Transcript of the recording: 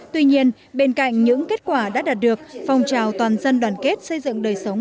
tuy nhiên bên cạnh những kết quả đã đạt được phong trào toàn dân đoàn kết xây dựng đời sống